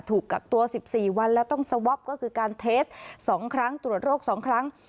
ถูกกักตัวสิบสี่วันแล้วต้องก็คือการเทสต์สองครั้งตรวจโรคสองครั้ง